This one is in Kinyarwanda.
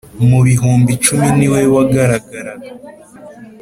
mu bihumbi icumi ni we wagaragara.